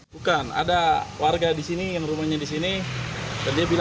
pembuangannya kalau terakhir ini pakai mobil